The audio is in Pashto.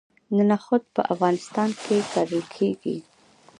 نخود په افغانستان کې کرل کیږي.